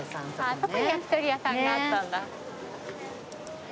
あそこに焼き鳥屋さんがあったんだ。